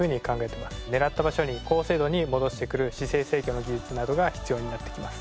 狙った場所に高精度に戻してくる姿勢制御の技術などが必要になってきます。